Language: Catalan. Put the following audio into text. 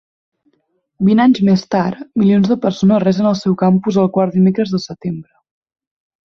Vint anys més tard, milions de persones resen al seu campus el quart dimecres de setembre.